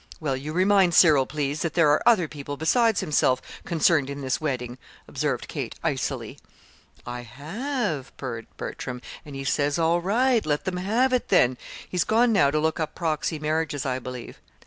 "Well, you remind Cyril, please, that there are other people besides himself concerned in this wedding," observed Kate, icily. "I have," purred Bertram, "and he says all right, let them have it, then. He's gone now to look up proxy marriages, I believe."